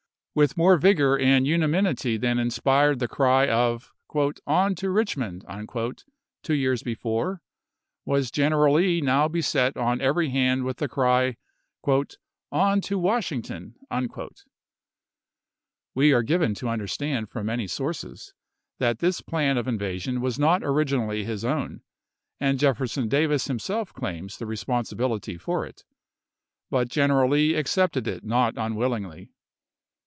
With more vigor and una nimity than inspired the cry of " on to Bichmond," Speecll of two years before, was General Lee now beset on Mr Pav18 every hand with the cry " on to Washington." We ^SK?11* are given to understand from many sources that Lee's this plan of invasion was not originally his own, j.k cooke. and Jefferson Davis himself claims the responsibil Gl™T,?1 ity for it ; but General Lee accepted it not unwill p* 54° ingly.